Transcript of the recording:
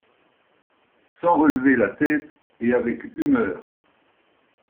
Sans relever la tête et avec humeur.